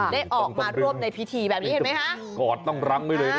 ได้ออกมาร่วมในพิธีแบบนี้เห็นไหมฮะ